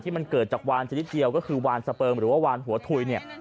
มันเกิดจากวานชนิดเดียวก็คือวานสเปิมหรือว่าวานหัวถุยเนี่ย